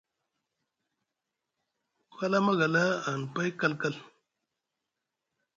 Ku hala a magala ahani pay kalkal.